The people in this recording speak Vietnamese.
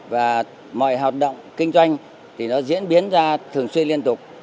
và mọi hoạt động kinh doanh thì nó diễn biến ra thường xuyên liên tục